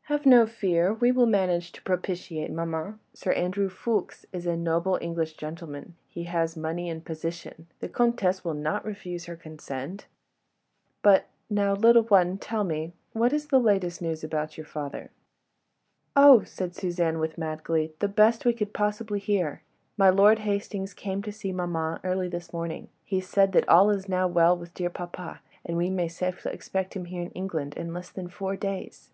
... Have no fear, we will manage to propitiate maman. Sir Andrew Ffoulkes is a noble English gentleman; he has money and position, the Comtesse will not refuse her consent. ... But ... now, little one ... tell me ... what is the latest news about your father?" "Oh!" said Suzanne, with mad glee, "the best we could possibly hear. My Lord Hastings came to see maman early this morning. He said that all is now well with dear papa, and we may safely expect him here in England in less than four days."